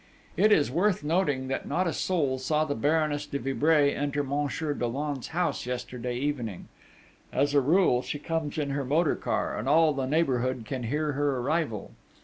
It is worth noting that not a soul saw the Baroness de Vibray enter Monsieur Dollon's house yesterday evening: as a rule, she comes in her motor car, and all the neighbourhood can hear her arrival.